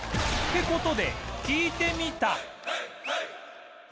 って事で聞いてみた